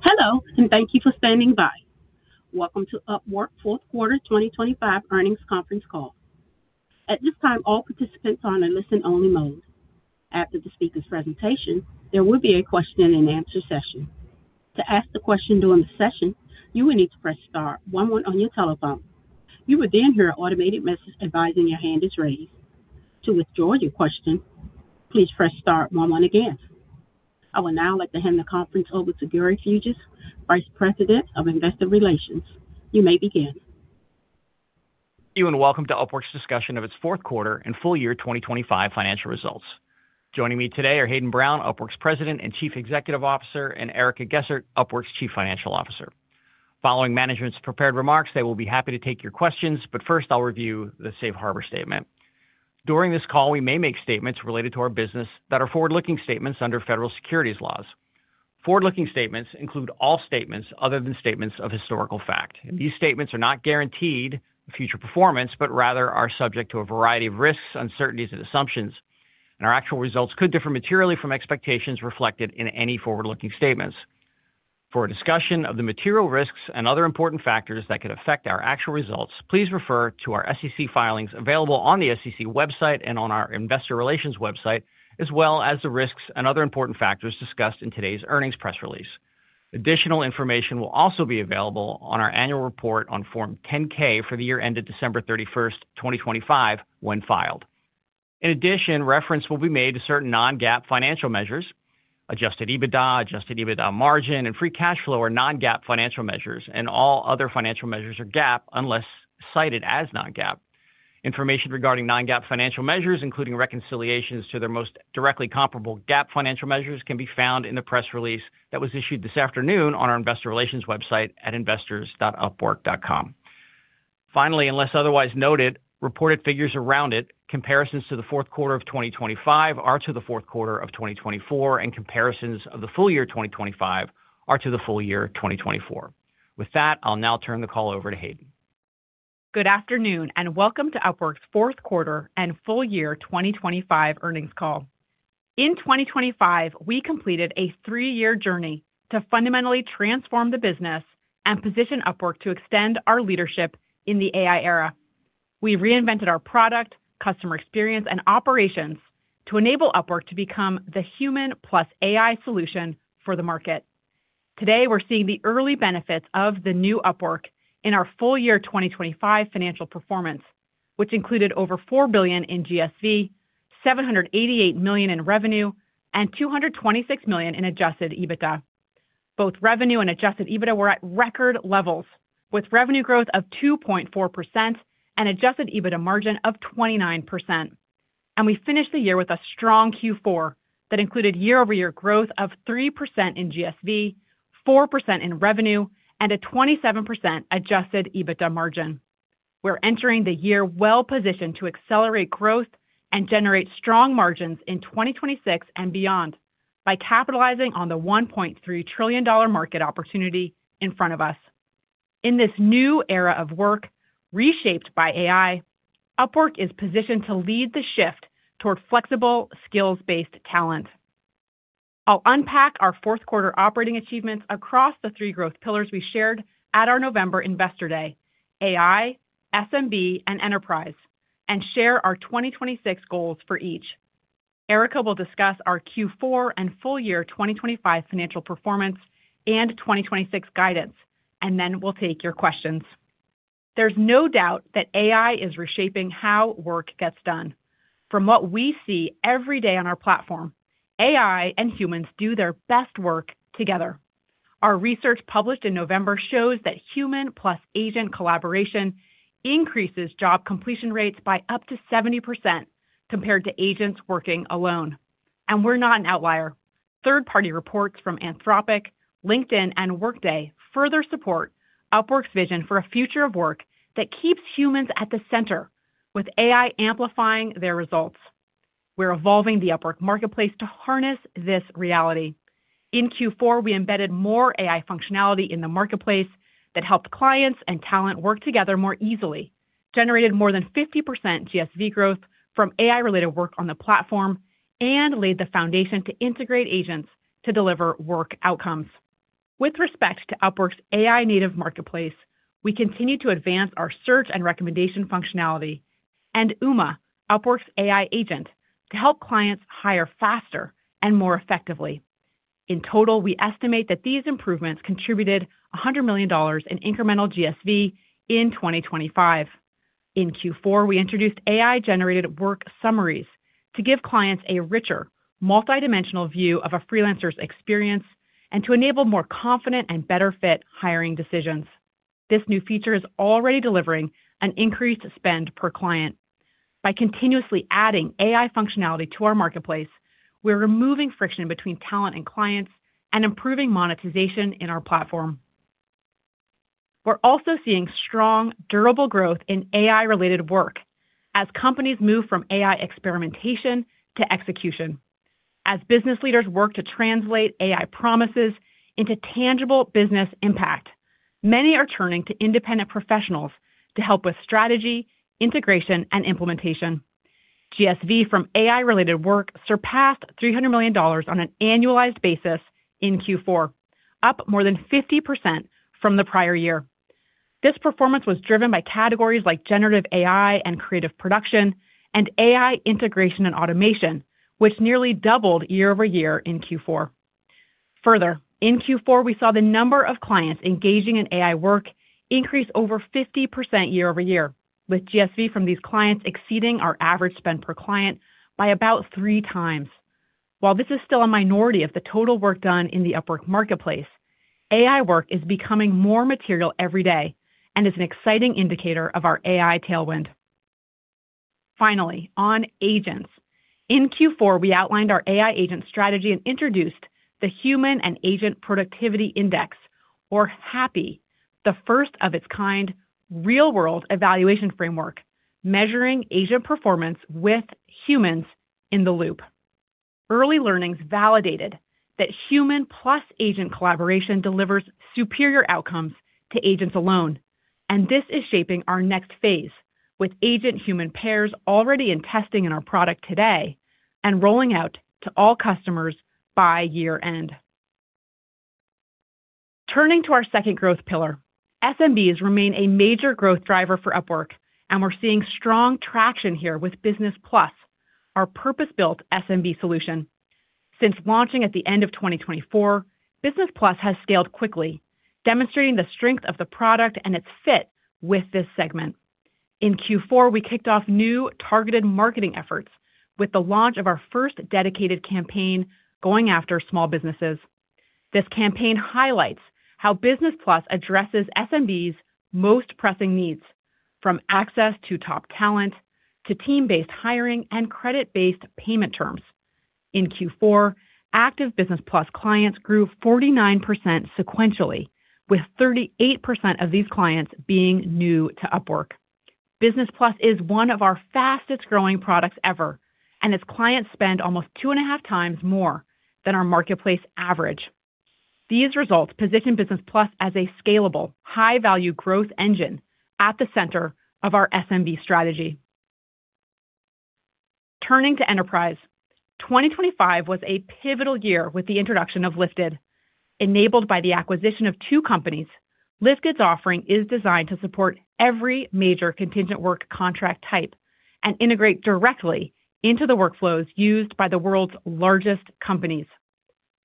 Hello and thank you for standing by. Welcome to Upwork Fourth Quarter 2025 Earnings Conference Call. At this time, all participants are on a listen-only mode. After the speaker's presentation, there will be a Q&A session. To ask the question during the session, you will need to press star one one on your telephone. You will then hear an automated message advising your hand is raised. To withdraw your question, please press star one one again. I will now like to hand the conference over to Gary Fuges, Vice President of Investor Relations. You may begin. Thank you and welcome to Upwork's discussion of its fourth quarter and full year 2025 financial results. Joining me today are Hayden Brown, Upwork's President and Chief Executive Officer, and Erica Gessert, Upwork's Chief Financial Officer. Following management's prepared remarks, they will be happy to take your questions, but first I'll review the Safe Harbor Statement. During this call, we may make statements related to our business that are forward-looking statements under federal securities laws. Forward-looking statements include all statements other than statements of historical fact. These statements are not guaranteed future performance, but rather are subject to a variety of risks, uncertainties, and assumptions, and our actual results could differ materially from expectations reflected in any forward-looking statements. For a discussion of the material risks and other important factors that could affect our actual results, please refer to our SEC filings available on the SEC website and on our Investor Relations website, as well as the risks and other important factors discussed in today's earnings press release. Additional information will also be available on our annual report on Form 10-K for the year ended December 31st, 2025, when filed. In addition, reference will be made to certain non-GAAP financial measures. Adjusted EBITDA, adjusted EBITDA margin, and free cash flow are non-GAAP financial measures, and all other financial measures are GAAP unless cited as non-GAAP. Information regarding non-GAAP financial measures, including reconciliations to their most directly comparable GAAP financial measures, can be found in the press release that was issued this afternoon on our Investor Relations website at investors.upwork.com. Finally, unless otherwise noted, reported figures are rounded, comparisons to the fourth quarter of 2025 are to the fourth quarter of 2024, and comparisons of the full year 2025 are to the full year 2024. With that, I'll now turn the call over to Hayden. Good afternoon and welcome to Upwork's fourth quarter and full year 2025 earnings call. In 2025, we completed a three-year journey to fundamentally transform the business and position Upwork to extend our leadership in the AI era. We reinvented our product, customer experience, and operations to enable Upwork to become the human plus AI solution for the market. Today, we're seeing the early benefits of the new Upwork in our full year 2025 financial performance, which included over $4 billion in GSV, $788 million in revenue, and $226 million in adjusted EBITDA. Both revenue and adjusted EBITDA were at record levels, with revenue growth of 2.4% and adjusted EBITDA margin of 29%. We finished the year with a strong Q4 that included year-over-year growth of 3% in GSV, 4% in revenue, and a 27% adjusted EBITDA margin. We're entering the year well-positioned to accelerate growth and generate strong margins in 2026 and beyond by capitalizing on the $1.3 trillion market opportunity in front of us. In this new era of work reshaped by AI, Upwork is positioned to lead the shift toward flexible, skills-based talent. I'll unpack our fourth quarter operating achievements across the three growth pillars we shared at our November Investor Day: AI, SMB, and enterprise, and share our 2026 goals for each. Erica will discuss our Q4 and full year 2025 financial performance and 2026 guidance, and then we'll take your questions. There's no doubt that AI is reshaping how work gets done. From what we see every day on our platform, AI and humans do their best work together. Our research published in November shows that human plus agent collaboration increases job completion rates by up to 70% compared to agents working alone. We're not an outlier. Third-party reports from Anthropic, LinkedIn, and Workday further support Upwork's vision for a future of work that keeps humans at the center, with AI amplifying their results. We're evolving the Upwork marketplace to harness this reality. In Q4, we embedded more AI functionality in the marketplace that helped clients and talent work together more easily, generated more than 50% GSV growth from AI-related work on the platform, and laid the foundation to integrate agents to deliver work outcomes. With respect to Upwork's AI-native marketplace, we continue to advance our search and recommendation functionality and Uma, Upwork's AI agent, to help clients hire faster and more effectively. In total, we estimate that these improvements contributed $100 million in incremental GSV in 2025. In Q4, we introduced AI-generated work summaries to give clients a richer, multidimensional view of a freelancer's experience and to enable more confident and better-fit hiring decisions. This new feature is already delivering an increased spend per client. By continuously adding AI functionality to our marketplace, we're removing friction between talent and clients and improving monetization in our platform. We're also seeing strong, durable growth in AI-related work as companies move from AI experimentation to execution. As business leaders work to translate AI promises into tangible business impact, many are turning to independent professionals to help with strategy, integration, and implementation. GSV from AI-related work surpassed $300 million on an annualized basis in Q4, up more than 50% from the prior year. This performance was driven by categories like generative AI and creative production and AI integration and automation, which nearly doubled year-over-year in Q4. Further, in Q4, we saw the number of clients engaging in AI work increase over 50% year-over-year, with GSV from these clients exceeding our average spend per client by about three times. While this is still a minority of the total work done in the Upwork Marketplace, AI work is becoming more material every day and is an exciting indicator of our AI tailwind. Finally, on agents, in Q4, we outlined our AI agent strategy and introduced the Human and Agent Productivity Index, or HAPI, the first of its kind real-world evaluation framework measuring agent performance with humans in the loop. Early learnings validated that human plus agent collaboration delivers superior outcomes to agents alone, and this is shaping our next phase with agent-human pairs already in testing in our product today and rolling out to all customers by year-end. Turning to our second growth pillar, SMBs remain a major growth driver for Upwork, and we're seeing strong traction here with Business Plus, our purpose-built SMB solution. Since launching at the end of 2024, Business Plus has scaled quickly, demonstrating the strength of the product and its fit with this segment. In Q4, we kicked off new targeted marketing efforts with the launch of our first dedicated campaign going after small businesses. This campaign highlights how Business Plus addresses SMBs' most pressing needs, from access to top talent to team-based hiring and credit-based payment terms. In Q4, active Business Plus clients grew 49% sequentially, with 38% of these clients being new to Upwork. Business Plus is one of our fastest-growing products ever, and its clients spend almost 2.5 times more than our marketplace average. These results position Business Plus as a scalable, high-value growth engine at the center of our SMB strategy. Turning to enterprise, 2025 was a pivotal year with the introduction of Lifted. Enabled by the acquisition of two companies, Lifted's offering is designed to support every major contingent work contract type and integrate directly into the workflows used by the world's largest companies.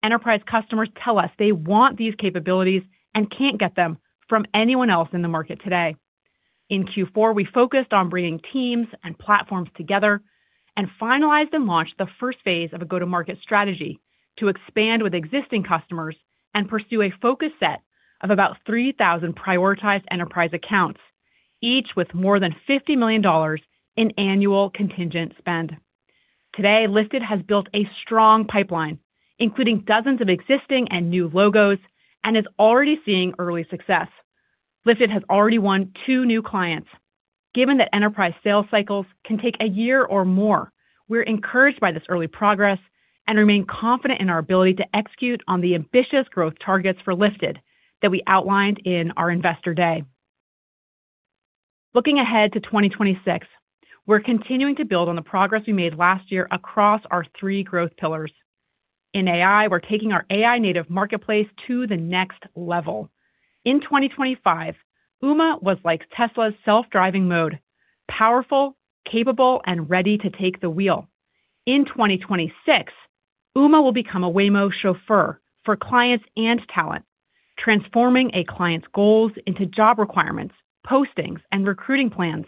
Enterprise customers tell us they want these capabilities and can't get them from anyone else in the market today. In Q4, we focused on bringing teams and platforms together and finalized and launched the first phase of a go-to-market strategy to expand with existing customers and pursue a focus set of about 3,000 prioritized enterprise accounts, each with more than $50 million in annual contingent spend. Today, Lifted has built a strong pipeline, including dozens of existing and new logos, and is already seeing early success. Lifted has already won two new clients. Given that enterprise sales cycles can take a year or more, we're encouraged by this early progress and remain confident in our ability to execute on the ambitious growth targets for Lifted that we outlined in our Investor Day. Looking ahead to 2026, we're continuing to build on the progress we made last year across our three growth pillars. In AI, we're taking our AI-native marketplace to the next level. In 2025, Uma was like Tesla's self-driving mode: powerful, capable, and ready to take the wheel. In 2026, Uma will become a Waymo chauffeur for clients and talent, transforming a client's goals into job requirements, postings, and recruiting plans,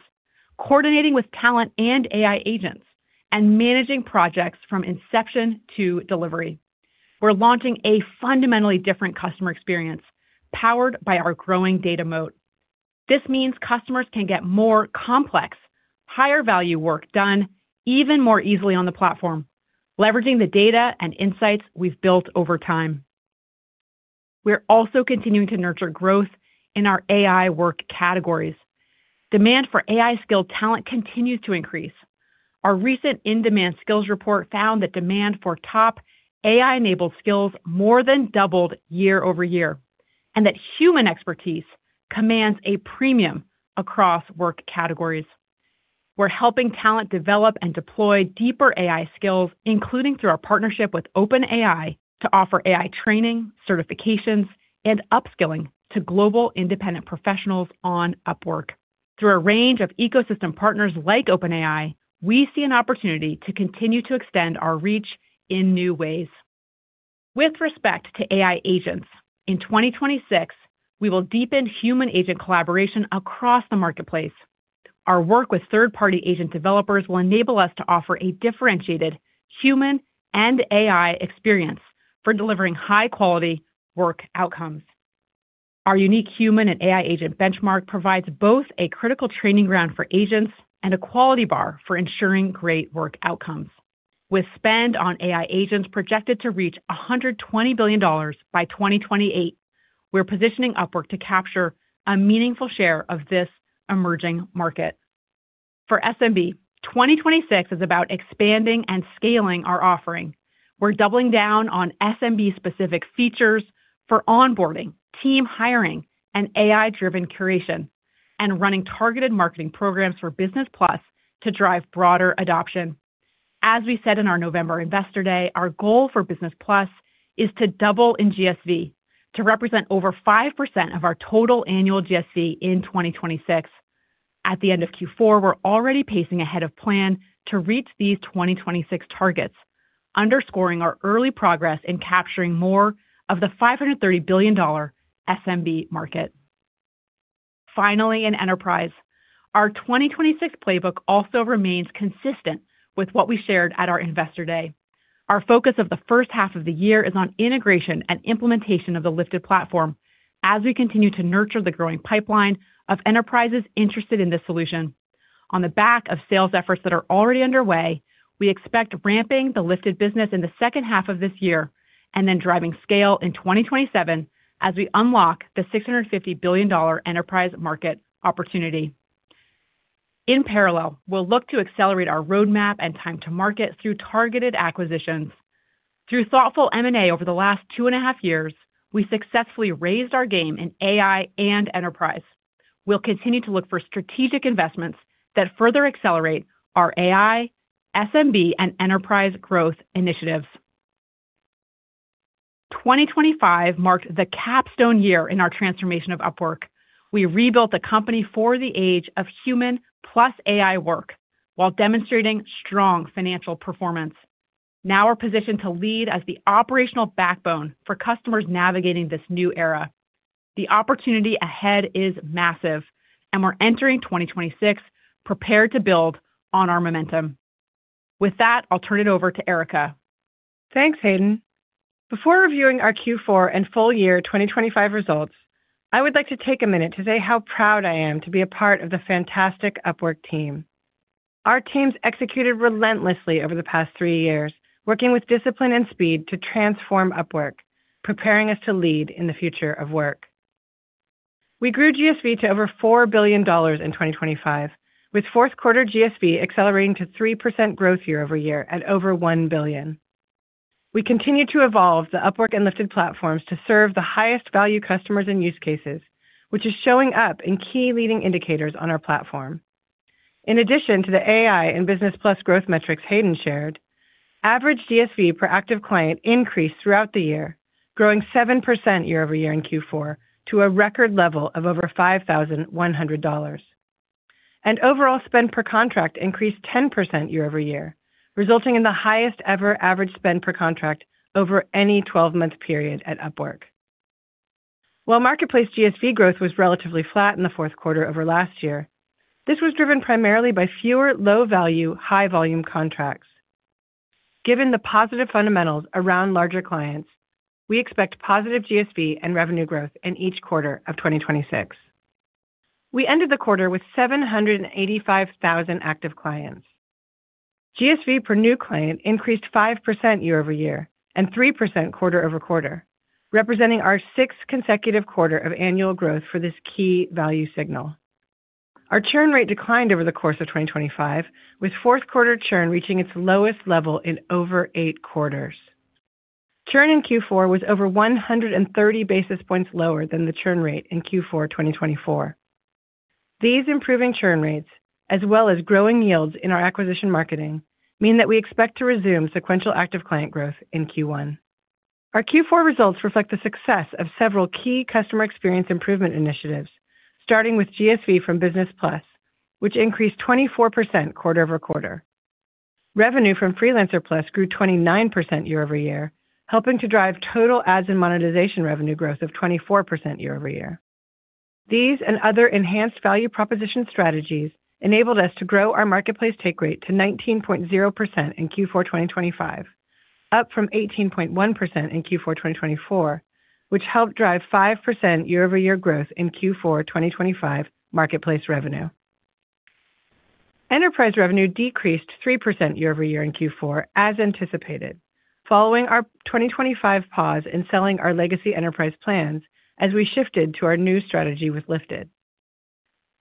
coordinating with talent and AI agents, and managing projects from inception to delivery. We're launching a fundamentally different customer experience powered by our growing data moat. This means customers can get more complex, higher-value work done even more easily on the platform, leveraging the data and insights we've built over time. We're also continuing to nurture growth in our AI work categories. Demand for AI-skilled talent continues to increase. Our recent in-demand skills report found that demand for top AI-enabled skills more than doubled year-over-year and that human expertise commands a premium across work categories. We're helping talent develop and deploy deeper AI skills, including through our partnership with OpenAI to offer AI training, certifications, and upskilling to global independent professionals on Upwork. Through a range of ecosystem partners like OpenAI, we see an opportunity to continue to extend our reach in new ways. With respect to AI agents, in 2026, we will deepen human-agent collaboration across the marketplace. Our work with third-party agent developers will enable us to offer a differentiated human and AI experience for delivering high-quality work outcomes. Our unique human and AI agent benchmark provides both a critical training ground for agents and a quality bar for ensuring great work outcomes. With spend on AI agents projected to reach $120 billion by 2028, we're positioning Upwork to capture a meaningful share of this emerging market. For SMB, 2026 is about expanding and scaling our offering. We're doubling down on SMB-specific features for onboarding, team hiring, and AI-driven curation, and running targeted marketing programs for Business Plus to drive broader adoption. As we said in our November Investor Day, our goal for Business Plus is to double in GSV, to represent over 5% of our total annual GSV in 2026. At the end of Q4, we're already pacing ahead of plan to reach these 2026 targets, underscoring our early progress in capturing more of the $530 billion SMB market. Finally, in enterprise, our 2026 playbook also remains consistent with what we shared at our Investor Day. Our focus of the first half of the year is on integration and implementation of the Lifted platform as we continue to nurture the growing pipeline of enterprises interested in this solution. On the back of sales efforts that are already underway, we expect ramping the Lifted business in the second half of this year and then driving scale in 2027 as we unlock the $650 billion enterprise market opportunity. In parallel, we'll look to accelerate our roadmap and time to market through targeted acquisitions. Through thoughtful M&A over the last two and a half years, we successfully raised our game in AI and enterprise. We'll continue to look for strategic investments that further accelerate our AI, SMB, and enterprise growth initiatives. 2025 marked the capstone year in our transformation of Upwork. We rebuilt the company for the age of human plus AI work while demonstrating strong financial performance. Now we're positioned to lead as the operational backbone for customers navigating this new era. The opportunity ahead is massive, and we're entering 2026 prepared to build on our momentum. With that, I'll turn it over to Erica. Thanks, Hayden. Before reviewing our Q4 and full year 2025 results, I would like to take a minute to say how proud I am to be a part of the fantastic Upwork team. Our team's executed relentlessly over the past three years, working with discipline and speed to transform Upwork, preparing us to lead in the future of work. We grew GSV to over $4 billion in 2025, with fourth quarter GSV accelerating to 3% growth year-over-year at over $1 billion. We continue to evolve the Upwork and Lifted platforms to serve the highest-value customers and use cases, which is showing up in key leading indicators on our platform. In addition to the AI and Business Plus growth metrics Hayden shared, average GSV per active client increased throughout the year, growing 7% year-over-year in Q4 to a record level of over $5,100. Overall spend per contract increased 10% year-over-year, resulting in the highest-ever average spend per contract over any 12-month period at Upwork. While marketplace GSV growth was relatively flat in the fourth quarter over last year, this was driven primarily by fewer low-value, high-volume contracts. Given the positive fundamentals around larger clients, we expect positive GSV and revenue growth in each quarter of 2026. We ended the quarter with 785,000 active clients. GSV per new client increased 5% year-over-year and 3% quarter-over-quarter, representing our sixth consecutive quarter of annual growth for this key value signal. Our churn rate declined over the course of 2025, with fourth-quarter churn reaching its lowest level in over eight quarters. Churn in Q4 was over 130 basis points lower than the churn rate in Q4 2024. These improving churn rates, as well as growing yields in our acquisition marketing, mean that we expect to resume sequential active client growth in Q1. Our Q4 results reflect the success of several key customer experience improvement initiatives, starting with GSV from Business Plus, which increased 24% quarter-over-quarter. Revenue from Freelancer Plus grew 29% year-over-year, helping to drive total ads and monetization revenue growth of 24% year-over-year. These and other enhanced value proposition strategies enabled us to grow our marketplace take rate to 19.0% in Q4 2025, up from 18.1% in Q4 2024, which helped drive 5% year-over-year growth in Q4 2025 marketplace revenue. Enterprise revenue decreased 3% year-over-year in Q4 as anticipated, following our 2025 pause in selling our legacy enterprise plans as we shifted to our new strategy with Lifted.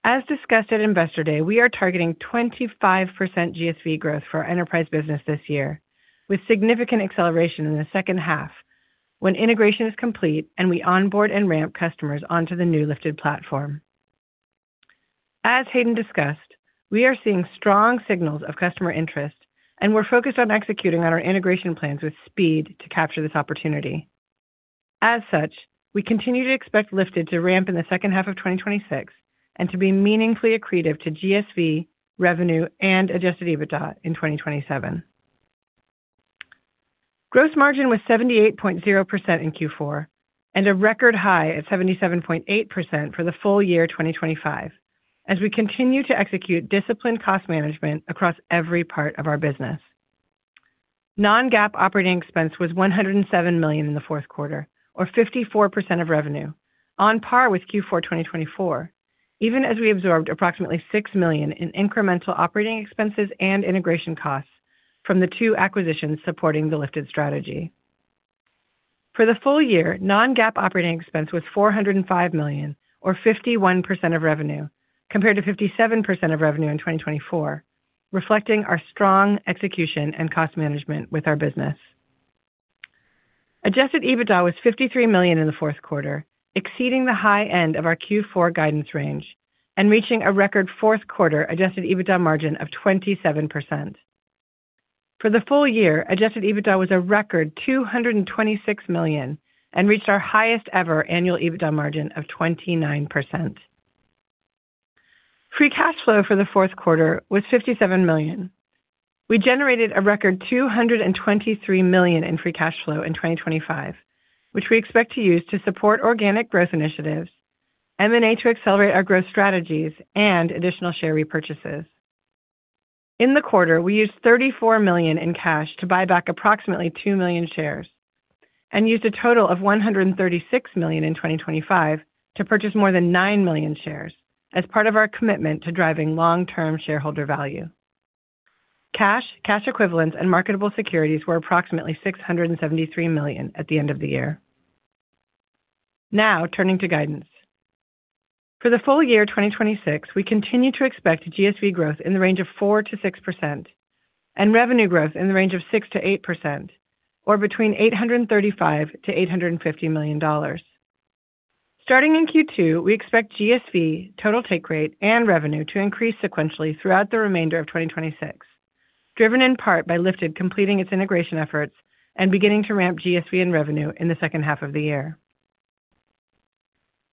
As discussed at Investor Day, we are targeting 25% GSV growth for our enterprise business this year, with significant acceleration in the second half when integration is complete and we onboard and ramp customers onto the new Lifted platform. As Hayden discussed, we are seeing strong signals of customer interest, and we're focused on executing on our integration plans with speed to capture this opportunity. As such, we continue to expect Lifted to ramp in the second half of 2026 and to be meaningfully accretive to GSV, revenue, and adjusted EBITDA in 2027. Gross margin was 78.0% in Q4 and a record high at 77.8% for the full year 2025 as we continue to execute disciplined cost management across every part of our business. Non-GAAP operating expense was $107 million in the fourth quarter, or 54% of revenue, on par with Q4 2024, even as we absorbed approximately $6 million in incremental operating expenses and integration costs from the two acquisitions supporting the Lifted strategy. For the full year, non-GAAP operating expense was $405 million, or 51% of revenue, compared to 57% of revenue in 2024, reflecting our strong execution and cost management with our business. Adjusted EBITDA was $53 million in the fourth quarter, exceeding the high end of our Q4 guidance range and reaching a record fourth-quarter adjusted EBITDA margin of 27%. For the full year, adjusted EBITDA was a record $226 million and reached our highest-ever annual EBITDA margin of 29%. Free cash flow for the fourth quarter was $57 million. We generated a record $223 million in free cash flow in 2025, which we expect to use to support organic growth initiatives, M&A to accelerate our growth strategies, and additional share repurchases. In the quarter, we used $34 million in cash to buy back approximately 2 million shares and used a total of $136 million in 2025 to purchase more than 9 million shares as part of our commitment to driving long-term shareholder value. Cash, cash equivalents, and marketable securities were approximately $673 million at the end of the year. Now, turning to guidance. For the full year 2026, we continue to expect GSV growth in the range of 4%-6% and revenue growth in the range of 6%-8%, or between $835 million-$850 million. Starting in Q2, we expect GSV, total take rate, and revenue to increase sequentially throughout the remainder of 2026, driven in part by Lifted completing its integration efforts and beginning to ramp GSV and revenue in the second half of the year.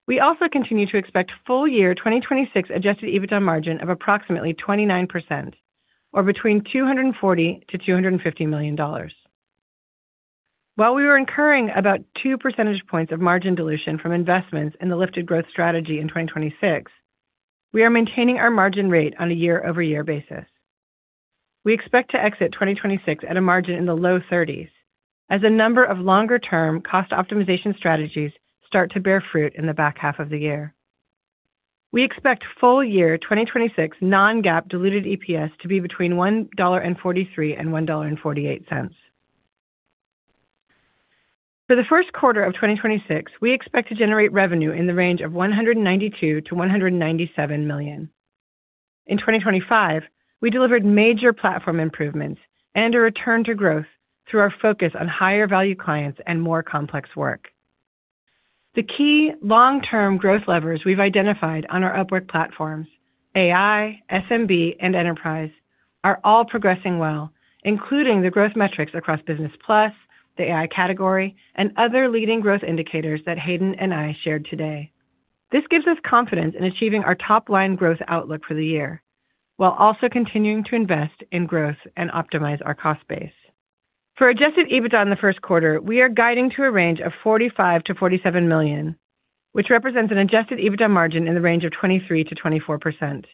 We also continue to expect full year 2026 adjusted EBITDA margin of approximately 29%, or between $240 million-$250 million. While we were incurring about two percentage points of margin dilution from investments in the Lifted growth strategy in 2026, we are maintaining our margin rate on a year-over-year basis. We expect to exit 2026 at a margin in the low 30s as a number of longer-term cost optimization strategies start to bear fruit in the back half of the year. We expect full year 2026 Non-GAAP diluted EPS to be between $1.43 and $1.48. For the first quarter of 2026, we expect to generate revenue in the range of $192 million-$197 million. In 2025, we delivered major platform improvements and a return to growth through our focus on higher-value clients and more complex work. The key long-term growth levers we've identified on our Upwork platforms, AI, SMB, and enterprise, are all progressing well, including the growth metrics across Business Plus, the AI category, and other leading growth indicators that Hayden and I shared today. This gives us confidence in achieving our top-line growth outlook for the year while also continuing to invest in growth and optimize our cost base. For adjusted EBITDA in the first quarter, we are guiding to a range of $45 million-$47 million, which represents an adjusted EBITDA margin in the range of 23%-24%.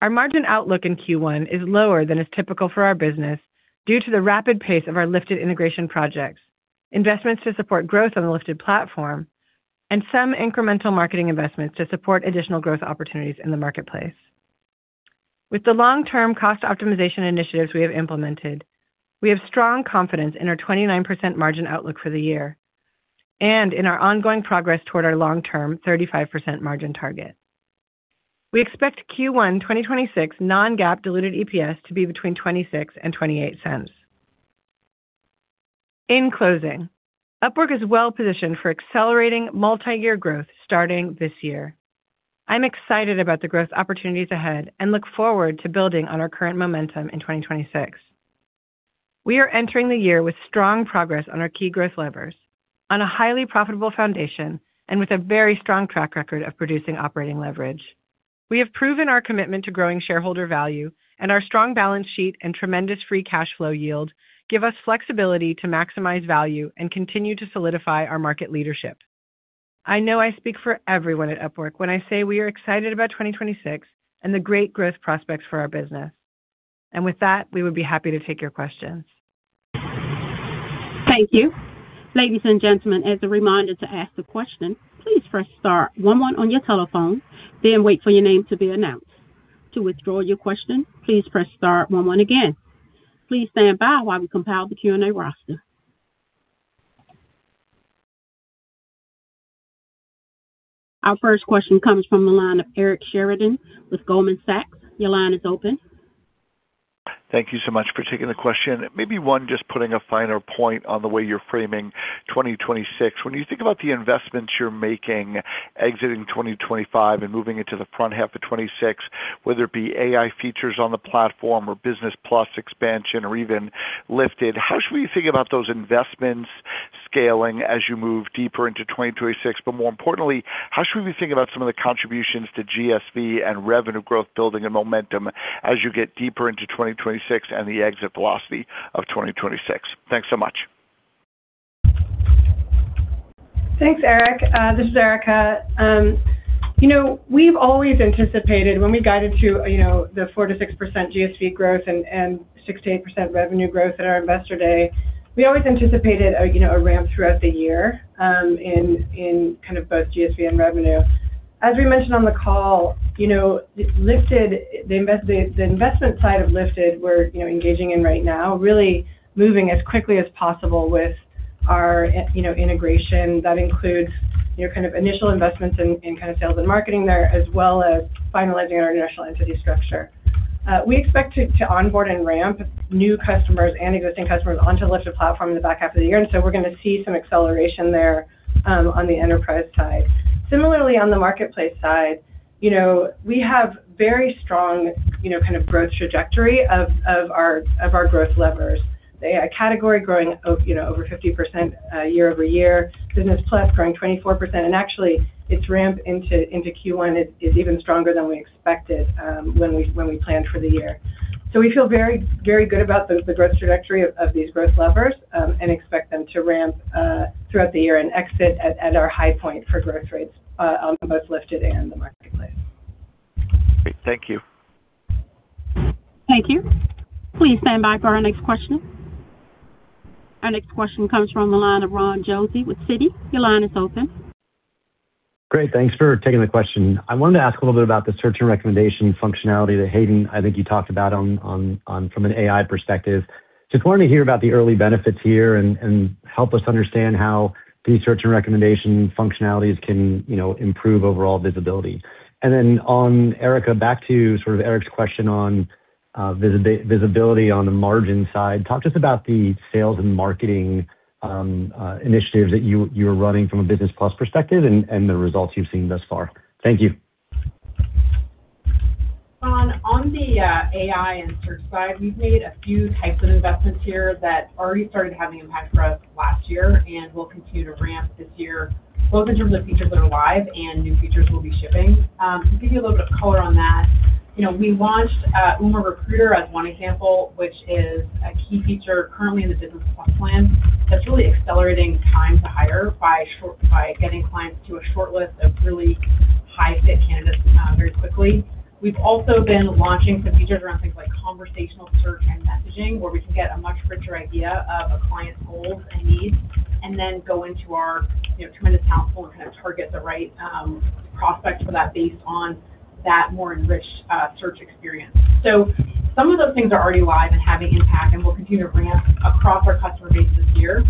Our margin outlook in Q1 is lower than is typical for our business due to the rapid pace of our Lifted integration projects, investments to support growth on the Lifted platform, and some incremental marketing investments to support additional growth opportunities in the marketplace. With the long-term cost optimization initiatives we have implemented, we have strong confidence in our 29% margin outlook for the year and in our ongoing progress toward our long-term 35% margin target. We expect Q1 2026 Non-GAAP diluted EPS to be between $0.26 and $0.28. In closing, Upwork is well-positioned for accelerating multi-year growth starting this year. I'm excited about the growth opportunities ahead and look forward to building on our current momentum in 2026. We are entering the year with strong progress on our key growth levers, on a highly profitable foundation, and with a very strong track record of producing operating leverage. We have proven our commitment to growing shareholder value, and our strong balance sheet and tremendous free cash flow yield give us flexibility to maximize value and continue to solidify our market leadership. I know I speak for everyone at Upwork when I say we are excited about 2026 and the great growth prospects for our business. With that, we would be happy to take your questions. Thank you. Ladies and gentlemen, as a reminder to ask a question, please press star one on your telephone, then wait for your name to be announced. To withdraw your question, please press star one again. Please stand by while we compile the Q&A roster. Our first question comes from the line of Eric Sheridan with Goldman Sachs. Your line is open. Thank you so much for taking the question. Maybe one, just putting a finer point on the way you're framing 2026. When you think about the investments you're making exiting 2025 and moving into the front half of 2026, whether it be AI features on the platform or Business Plus expansion or even Lifted, how should we think about those investments scaling as you move deeper into 2026? But more importantly, how should we think about some of the contributions to GSV and revenue growth building and momentum as you get deeper into 2026 and the exit velocity of 2026? Thanks so much. Thanks, Eric. This is Erica. We've always anticipated when we guided to the 4%-6% GSV growth and 6%-8% revenue growth at our Investor Day, we always anticipated a ramp throughout the year in kind of both GSV and revenue. As we mentioned on the call, the investment side of Lifted we're engaging in right now, really moving as quickly as possible with our integration. That includes kind of initial investments in kind of sales and marketing there, as well as finalizing our national entity structure. We expect to onboard and ramp new customers and existing customers onto Lifted platform in the back half of the year. And so we're going to see some acceleration there on the enterprise side. Similarly, on the marketplace side, we have very strong kind of growth trajectory of our growth levers. The AI category growing over 50% year-over-year, Business Plus growing 24%. Actually, its ramp into Q1 is even stronger than we expected when we planned for the year. We feel very, very good about the growth trajectory of these growth levers and expect them to ramp throughout the year and exit at our high point for growth rates on both Lifted and the marketplace. Great. Thank you. Thank you. Please stand by for our next question. Our next question comes from the line of Ron Josey with Citi. Your line is open. Great. Thanks for taking the question. I wanted to ask a little bit about the search and recommendation functionality that Hayden, I think you talked about from an AI perspective. Just wanted to hear about the early benefits here and help us understand how these search and recommendation functionalities can improve overall visibility. And then, Erica, back to sort of Eric's question on visibility on the margin side. Talk to us about the sales and marketing initiatives that you were running from a Business Plus perspective and the results you've seen thus far. Thank you. Ron, on the AI and search side, we've made a few types of investments here that already started having impact for us last year and will continue to ramp this year, both in terms of features that are live and new features we'll be shipping. To give you a little bit of color on that, we launched Uma Recruiter as one example, which is a key feature currently in the Business Plus plan that's really accelerating time to hire by getting clients to a short list of really high-fit candidates very quickly. We've also been launching some features around things like conversational search and messaging, where we can get a much richer idea of a client's goals and needs and then go into our tremendous house file and kind of target the right prospects for that based on that more enriched search experience. Some of those things are already live and having impact, and we'll continue to ramp across our customer base this year.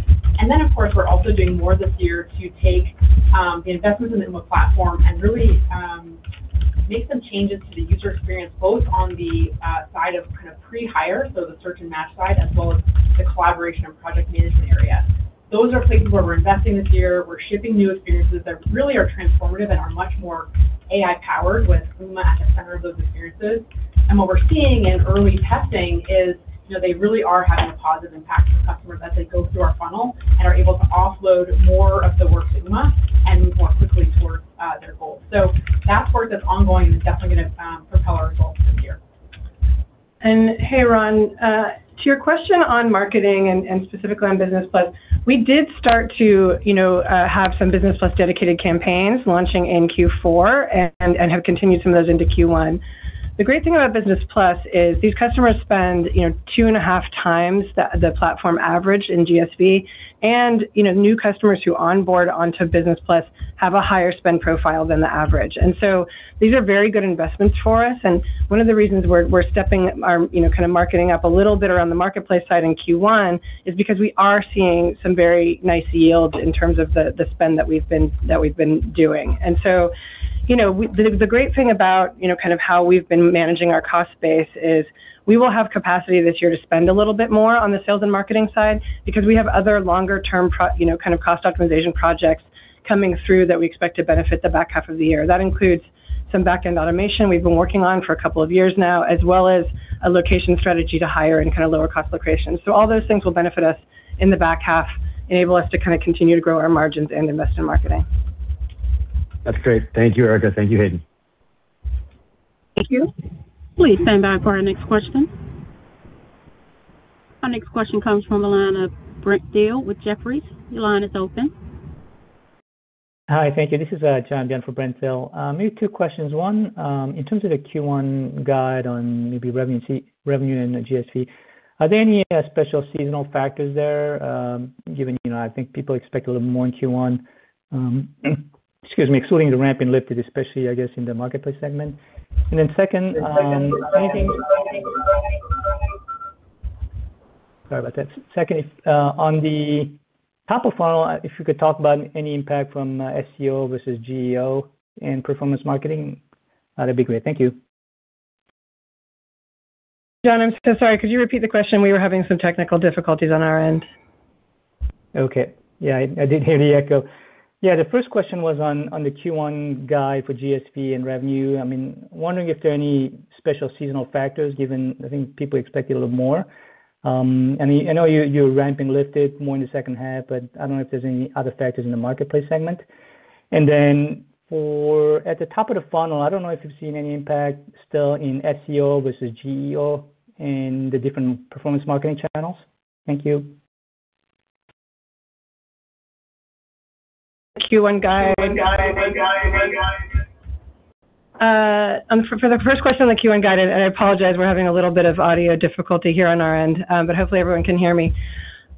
Then, of course, we're also doing more this year to take the investments in the Uma platform and really make some changes to the user experience, both on the side of kind of pre-hire, so the search and match side, as well as the collaboration and project management area. Those are places where we're investing this year. We're shipping new experiences that really are transformative and are much more AI-powered, with Uma at the center of those experiences. What we're seeing in early testing is they really are having a positive impact for customers as they go through our funnel and are able to offload more of the work to Uma and move more quickly towards their goals. That's work that's ongoing and is definitely going to propel our results this year. Hey, Ron, to your question on marketing and specifically on Business Plus, we did start to have some Business Plus dedicated campaigns launching in Q4 and have continued some of those into Q1. The great thing about Business Plus is these customers spend 2.5x the platform average in GSV, and new customers who onboard onto Business Plus have a higher spend profile than the average. So these are very good investments for us. One of the reasons we're stepping our kind of marketing up a little bit around the marketplace side in Q1 is because we are seeing some very nice yields in terms of the spend that we've been doing. And so the great thing about kind of how we've been managing our cost base is we will have capacity this year to spend a little bit more on the sales and marketing side because we have other longer-term kind of cost optimization projects coming through that we expect to benefit the back half of the year. That includes some back-end automation we've been working on for a couple of years now, as well as a location strategy to hire in kind of lower-cost locations. So all those things will benefit us in the back half, enable us to kind of continue to grow our margins and invest in marketing. That's great. Thank you, Erica. Thank you, Hayden. Thank you. Please stand by for our next question. Our next question comes from the line of Brent Thill with Jefferies. Your line is open. Hi. Thank you. This is John Byun for Brent Thill. Maybe two questions. One, in terms of the Q1 guide on maybe revenue and GSV, are there any special seasonal factors there? Given I think people expect a little bit more in Q1, excuse me, excluding the ramp in Lifted, especially, I guess, in the marketplace segment. And then second, sorry about that. Second, on the top of funnel, if you could talk about any impact from SEO versus GEO and performance marketing, that'd be great. Thank you. John, I'm so sorry. Could you repeat the question? We were having some technical difficulties on our end. Okay. Yeah. I did hear the echo. Yeah. The first question was on the Q1 guide for GSV and revenue. I mean, wondering if there are any special seasonal factors, given I think people expect a little more. I mean, I know you're ramping Lifted more in the second half, but I don't know if there's any other factors in the marketplace segment. And then at the top of the funnel, I don't know if you've seen any impact still in SEO versus GEO and the different performance marketing channels. Thank you. Q1 guide. For the first question on the Q1 guide, and I apologize, we're having a little bit of audio difficulty here on our end, but hopefully, everyone can hear me.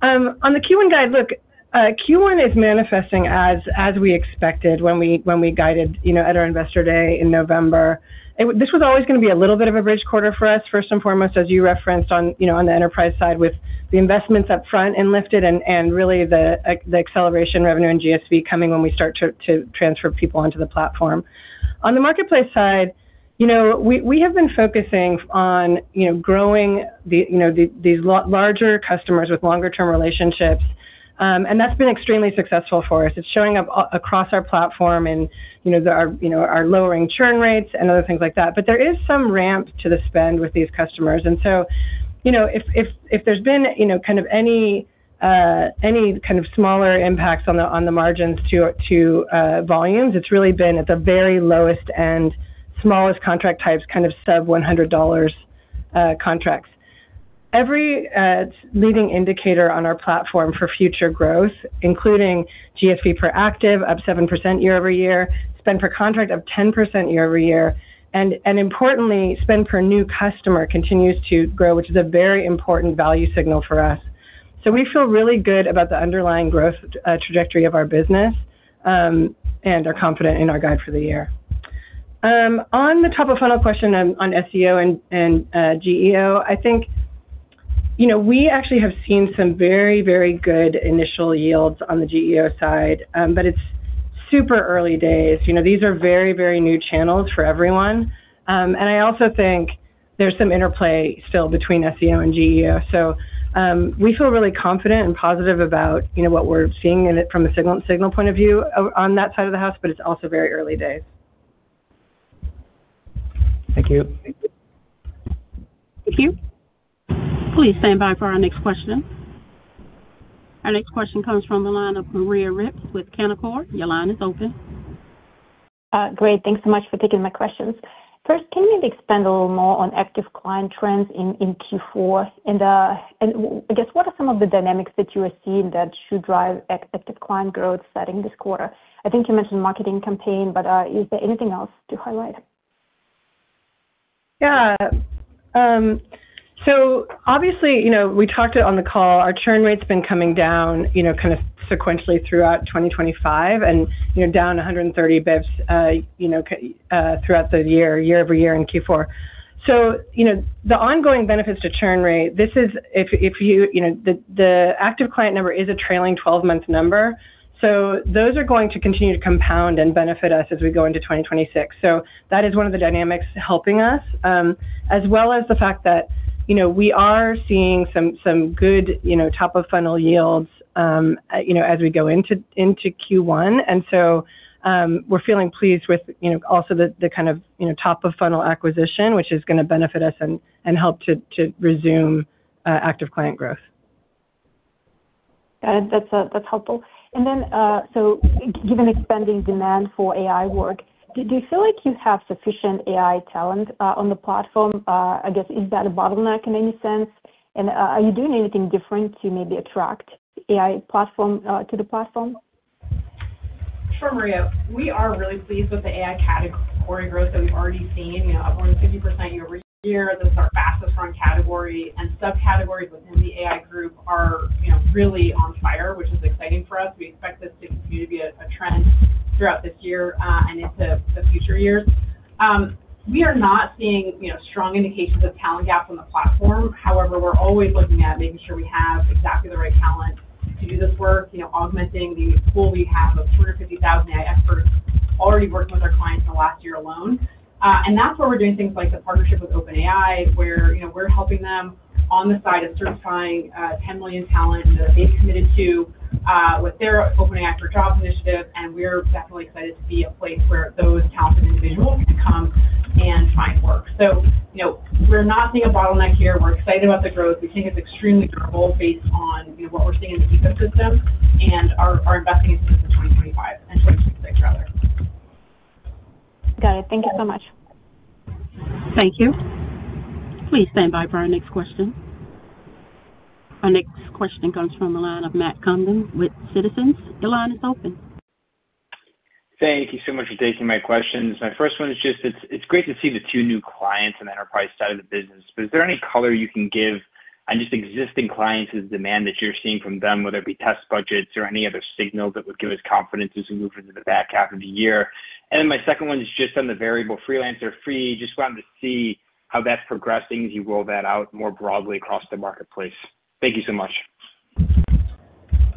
On the Q1 guide, look, Q1 is manifesting as we expected when we guided at our Investor Day in November. This was always going to be a little bit of a bridge quarter for us, first and foremost, as you referenced on the enterprise side with the investments upfront in Lifted and really the acceleration revenue in GSV coming when we start to transfer people onto the platform. On the marketplace side, we have been focusing on growing these larger customers with longer-term relationships, and that's been extremely successful for us. It's showing up across our platform in our lowering churn rates and other things like that. But there is some ramp to the spend with these customers. And so if there's been kind of any kind of smaller impacts on the margins to volumes, it's really been at the very lowest end, smallest contract types, kind of sub-$100 contracts. Every leading indicator on our platform for future growth, including GSV per active, up 7% year-over-year, spend per contract, up 10% year-over-year, and importantly, spend per new customer continues to grow, which is a very important value signal for us. So we feel really good about the underlying growth trajectory of our business and are confident in our guide for the year. On the top of funnel question on SEO and GEO, I think we actually have seen some very, very good initial yields on the GEO side, but it's super early days. These are very, very new channels for everyone. And I also think there's some interplay still between SEO and GEO. So we feel really confident and positive about what we're seeing from a signal point of view on that side of the house, but it's also very early days. Thank you. Thank you. Please stand by for our next question. Our next question comes from the line of Maria Ripps with Canaccord. Your line is open. Great. Thanks so much for taking my questions. First, can you maybe expand a little more on active client trends in Q4? And I guess, what are some of the dynamics that you are seeing that should drive active client growth starting this quarter? I think you mentioned marketing campaign, but is there anything else to highlight? Yeah. So obviously, we talked it on the call. Our churn rate's been coming down kind of sequentially throughout 2025 and down 130 basis points throughout the year, year-over-year in Q4. So the ongoing benefits to churn rate, this is if you the active client number is a trailing 12-month number. So those are going to continue to compound and benefit us as we go into 2026. So that is one of the dynamics helping us, as well as the fact that we are seeing some good top-of-funnel yields as we go into Q1. And so we're feeling pleased with also the kind of top-of-funnel acquisition, which is going to benefit us and help to resume active client growth. Got it. That's helpful. And then so given expanding demand for AI work, do you feel like you have sufficient AI talent on the platform? I guess, is that a bottleneck in any sense? And are you doing anything different to maybe attract AI talent to the platform? Sure, Maria. We are really pleased with the AI category growth that we've already seen, upward of 50% year-over-year. This is our fastest-run category. And subcategories within the AI group are really on fire, which is exciting for us. We expect this to continue to be a trend throughout this year and into the future years. We are not seeing strong indications of talent gaps on the platform. However, we're always looking at making sure we have exactly the right talent to do this work, augmenting the pool we have of 250,000 AI experts already working with our clients in the last year alone. And that's where we're doing things like the partnership with OpenAI, where we're helping them on the side of certifying 10 million talent that they've committed to with their OpenAI for Jobs initiative. We're definitely excited to be a place where those talented individuals can come and find work. We're not seeing a bottleneck here. We're excited about the growth. We think it's extremely durable based on what we're seeing in the ecosystem. We're investing into this in 2025 and 2026, rather. Got it. Thank you so much. Thank you. Please stand by for our next question. Our next question comes from the line of Matt Condon with Citizens. Your line is open. Thank you so much for taking my questions. My first one is just it's great to see the two new clients on the enterprise side of the business. But is there any color you can give on just existing clients' demand that you're seeing from them, whether it be test budgets or any other signals that would give us confidence as we move into the back half of the year? And then my second one is just on the variable Freelancer fee. Just wanted to see how that's progressing as you roll that out more broadly across the marketplace. Thank you so much.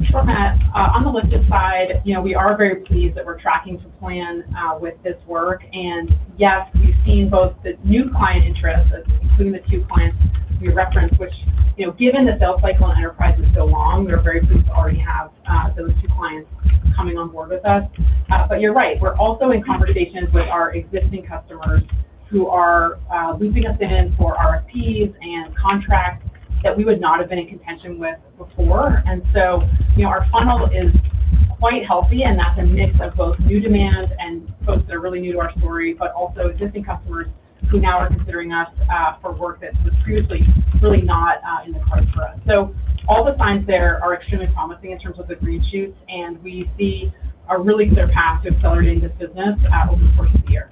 Sure, Matt. On the Lifted side, we are very pleased that we're tracking to plan with this work. And yes, we've seen both the new client interests, including the two clients we referenced, which given the sales cycle on enterprise is so long, we're very pleased to already have those two clients coming on board with us. But you're right. We're also in conversations with our existing customers who are looping us in for RFPs and contracts that we would not have been in contention with before. And so our funnel is quite healthy, and that's a mix of both new demand and folks that are really new to our story, but also existing customers who now are considering us for work that was previously really not in the cards for us. All the signs there are extremely promising in terms of the green shoots, and we see a really clear path to accelerating this business over the course of the year.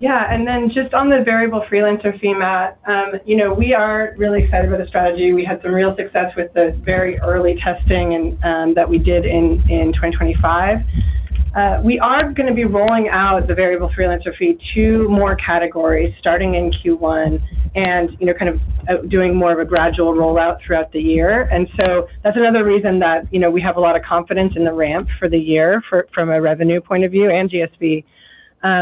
Yeah. And then just on the variable freelancer fee, Matt, we are really excited about the strategy. We had some real success with the very early testing that we did in 2025. We are going to be rolling out the variable freelancer fee to more categories starting in Q1 and kind of doing more of a gradual rollout throughout the year. And so that's another reason that we have a lot of confidence in the ramp for the year from a revenue point of view and GSV,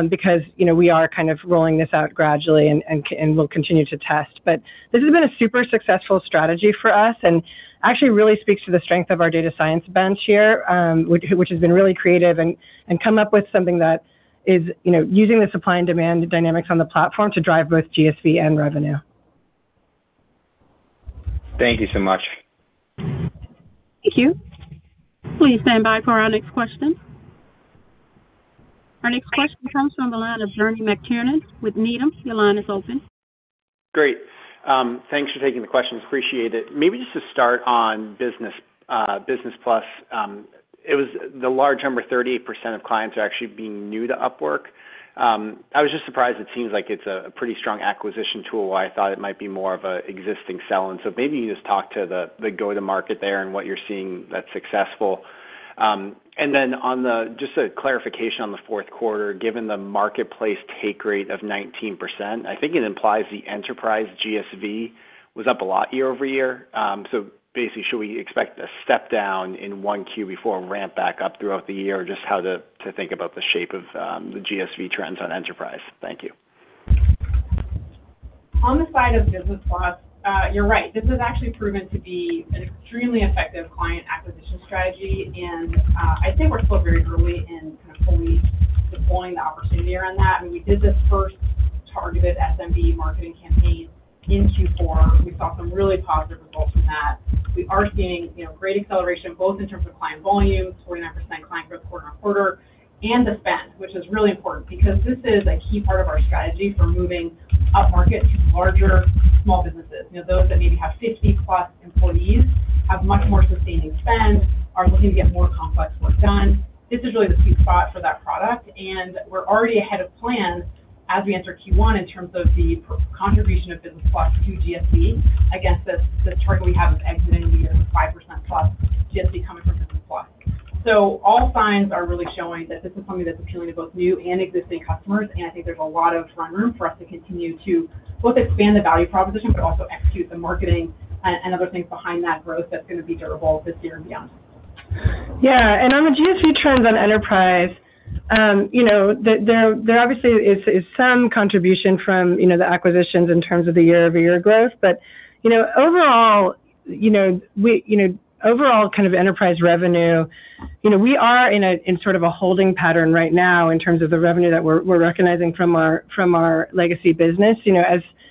because we are kind of rolling this out gradually and will continue to test. But this has been a super successful strategy for us and actually really speaks to the strength of our data science bench here, which has been really creative and come up with something that is using the supply and demand dynamics on the platform to drive both GSV and revenue. Thank you so much. Thank you. Please stand by for our next question. Our next question comes from the line of Bernie McTernan with Needham. Your line is open. Great. Thanks for taking the questions. Appreciate it. Maybe just to start on Business Plus, it was the large number, 38% of clients are actually being new to Upwork. I was just surprised it seems like it's a pretty strong acquisition tool, while I thought it might be more of an existing sell-in. So maybe you just talk to the go-to-market there and what you're seeing that's successful. And then just a clarification on the fourth quarter, given the marketplace take rate of 19%, I think it implies the enterprise GSV was up a lot year-over-year. So basically, should we expect a step down in 1Q before a ramp back up throughout the year? Just how to think about the shape of the GSV trends on enterprise. Thank you. On the side of Business Plus, you're right. This has actually proven to be an extremely effective client acquisition strategy. I think we're still very early in kind of fully deploying the opportunity around that. I mean, we did this first targeted SMB marketing campaign in Q4. We saw some really positive results from that. We are seeing great acceleration both in terms of client volume, 49% client growth quarter-over-quarter, and the spend, which is really important because this is a key part of our strategy for moving upmarket to larger small businesses. Those that maybe have 50+ employees have much more sustaining spend, are looking to get more complex work done. This is really the sweet spot for that product. We're already ahead of plan as we enter Q1 in terms of the contribution of Business Plus to GSV against the target we have of exiting the year with 5%+ GSV coming from Business Plus. All signs are really showing that this is something that's appealing to both new and existing customers. I think there's a lot of run room for us to continue to both expand the value proposition but also execute the marketing and other things behind that growth that's going to be durable this year and beyond. Yeah. And on the GSV trends on enterprise, there obviously is some contribution from the acquisitions in terms of the year-over-year growth. But overall, overall kind of enterprise revenue, we are in sort of a holding pattern right now in terms of the revenue that we're recognizing from our legacy business.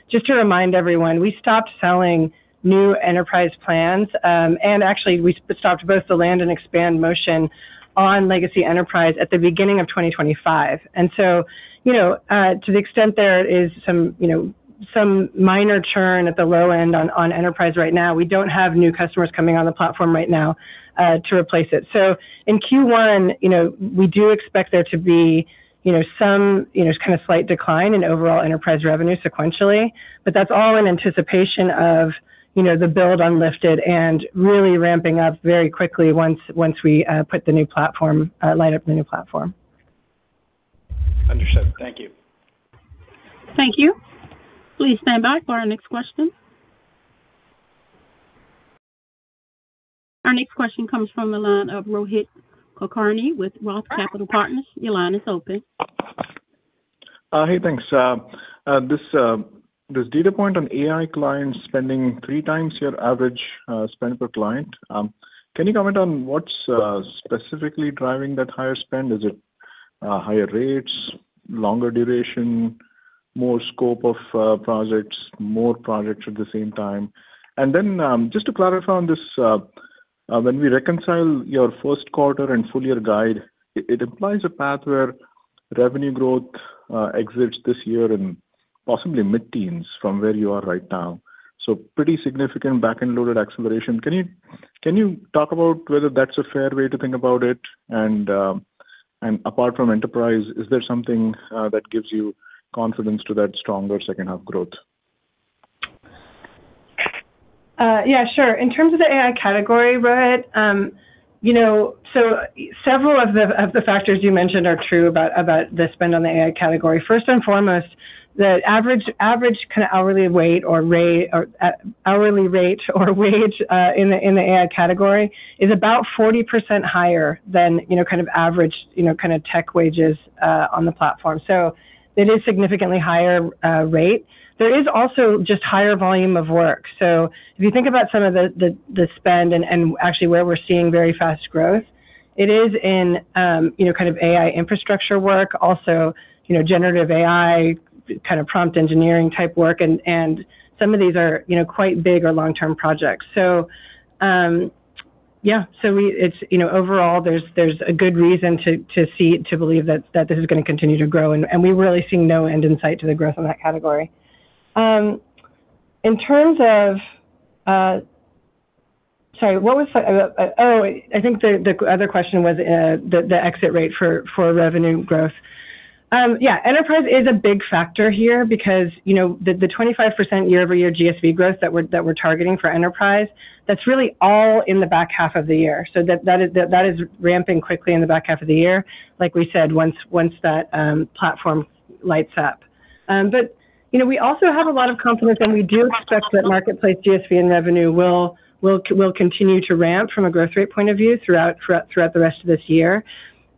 Just to remind everyone, we stopped selling new enterprise plans. And actually, we stopped both the land and expand motion on legacy enterprise at the beginning of 2025. And so to the extent there is some minor churn at the low end on enterprise right now, we don't have new customers coming on the platform right now to replace it. So in Q1, we do expect there to be some kind of slight decline in overall enterprise revenue sequentially. That's all in anticipation of the build on Lifted and really ramping up very quickly once we light up the new platform. Understood. Thank you. Thank you. Please stand by for our next question. Our next question comes from the line of Rohit Kulkarni with Roth MKM. Your line is open. Hey, thanks. Does data point on AI clients spending 3 times your average spend per client? Can you comment on what's specifically driving that higher spend? Is it higher rates, longer duration, more scope of projects, more projects at the same time? And then just to clarify on this, when we reconcile your first quarter and full-year guide, it implies a path where revenue growth exits this year and possibly mid-teens from where you are right now. So pretty significant back-and-loaded acceleration. Can you talk about whether that's a fair way to think about it? And apart from enterprise, is there something that gives you confidence to that stronger second-half growth? Yeah, sure. In terms of the AI category, Rohit, so several of the factors you mentioned are true about the spend on the AI category. First and foremost, the average kind of hourly wage or hourly rate or wage in the AI category is about 40% higher than kind of average kind of tech wages on the platform. So it is a significantly higher rate. There is also just higher volume of work. So if you think about some of the spend and actually where we're seeing very fast growth, it is in kind of AI infrastructure work, also generative AI kind of prompt engineering type work. And some of these are quite big or long-term projects. So yeah. So overall, there's a good reason to believe that this is going to continue to grow. And we're really seeing no end in sight to the growth in that category. In terms of, I think the other question was the exit rate for revenue growth. Yeah, enterprise is a big factor here because the 25% year-over-year GSV growth that we're targeting for enterprise, that's really all in the back half of the year. So that is ramping quickly in the back half of the year, like we said, once that platform lights up. But we also have a lot of confidence, and we do expect that marketplace GSV and revenue will continue to ramp from a growth rate point of view throughout the rest of this year.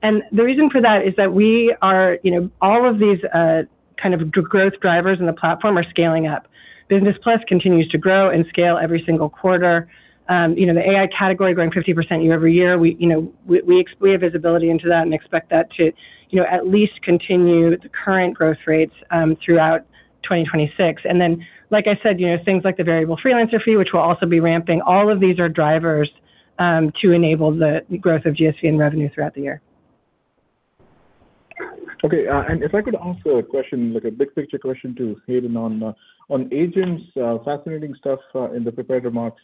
And the reason for that is that we are all of these kind of growth drivers in the platform are scaling up. Business Plus continues to grow and scale every single quarter. The AI category growing 50% year-over-year, we have visibility into that and expect that to at least continue the current growth rates throughout 2026. And then, like I said, things like the variable freelancer fee, which will also be ramping, all of these are drivers to enable the growth of GSV and revenue throughout the year. Okay. If I could ask a question, a big picture question to Hayden on agents, fascinating stuff in the prepared remarks.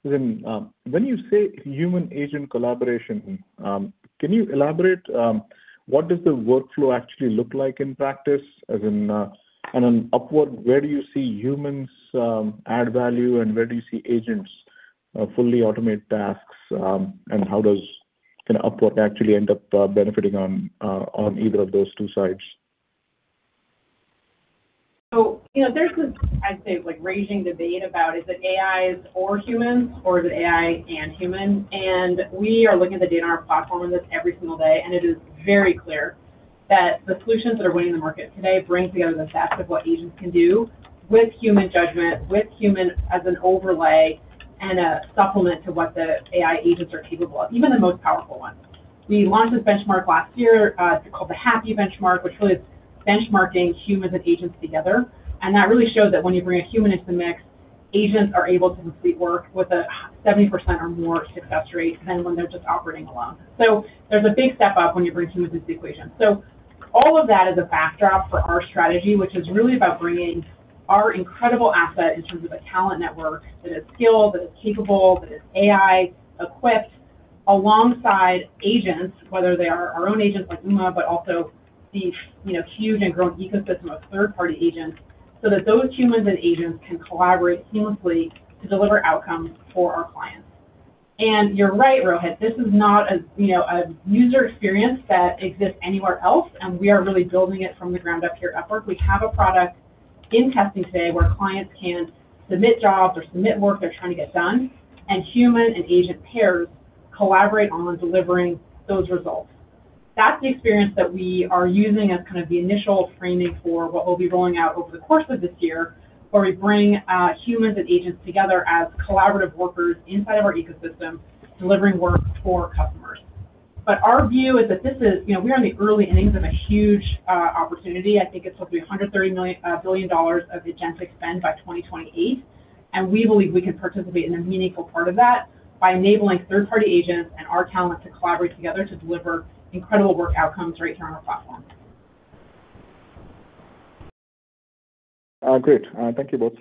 When you say human-agent collaboration, can you elaborate what does the workflow actually look like in practice? On Upwork, where do you see humans add value, and where do you see agents fully automate tasks? How does Upwork actually end up benefiting on either of those two sides? So there's this, I'd say, raging debate about is it AI or humans, or is it AI and humans? And we are looking at the data on our platform on this every single day. And it is very clear that the solutions that are winning the market today bring together the best of what agents can do with human judgment, with human as an overlay and a supplement to what the AI agents are capable of, even the most powerful ones. We launched this benchmark last year called the HAPI benchmark, which really is benchmarking humans and agents together. And that really showed that when you bring a human into the mix, agents are able to complete work with a 70% or more success rate than when they're just operating alone. So there's a big step up when you bring humans into the equation. So all of that is a backdrop for our strategy, which is really about bringing our incredible asset in terms of a talent network that is skilled, that is capable, that is AI equipped alongside agents, whether they are our own agents like Uma, but also the huge and growing ecosystem of third-party agents so that those humans and agents can collaborate seamlessly to deliver outcomes for our clients. And you're right, Rohit. This is not a user experience that exists anywhere else. And we are really building it from the ground up here at Upwork. We have a product in testing today where clients can submit jobs or submit work they're trying to get done, and human and agent pairs collaborate on delivering those results. That's the experience that we are using as kind of the initial framing for what we'll be rolling out over the course of this year, where we bring humans and agents together as collaborative workers inside of our ecosystem delivering work for customers. But our view is that this is, we are in the early innings of a huge opportunity. I think it's up to $130 billion of agentic spend by 2028. And we believe we can participate in a meaningful part of that by enabling third-party agents and our talent to collaborate together to deliver incredible work outcomes right here on our platform. Great. Thank you both.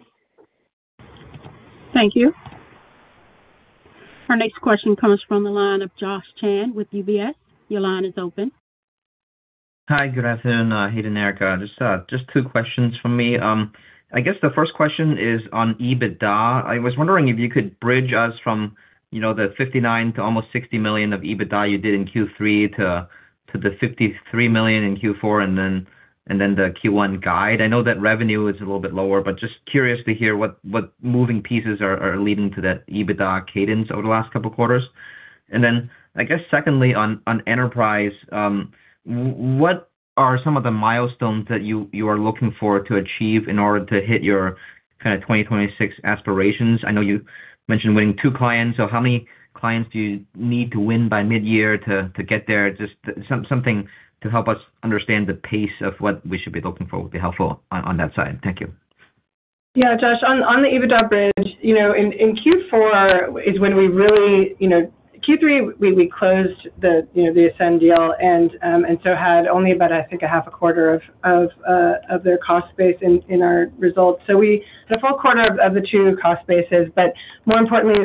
Thank you. Our next question comes from the line of Josh Chan with UBS. Your line is open. Hi, good afternoon, Hayden and Erica. Just two questions from me. I guess the first question is on EBITDA. I was wondering if you could bridge us from the $59 million to almost $60 million of EBITDA you did in Q3 to the $53 million in Q4 and then the Q1 guide. I know that revenue is a little bit lower, but just curious to hear what moving pieces are leading to that EBITDA cadence over the last couple of quarters. And then I guess secondly, on enterprise, what are some of the milestones that you are looking for to achieve in order to hit your kind of 2026 aspirations? I know you mentioned winning two clients. So how many clients do you need to win by mid-year to get there? Just something to help us understand the pace of what we should be looking for would be helpful on that side. Thank you. Yeah, Josh. On the EBITDA bridge, in Q4 is when we really, in Q3, we closed the Ascen deal and so had only about, I think, a half a quarter of their cost base in our results. So we had a full quarter of the two cost bases. But more importantly,